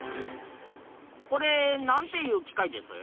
これなんていう機械です？